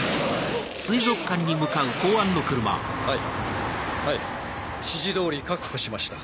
はいはい指示通り確保しました。